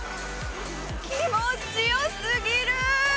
気持ちよすぎる！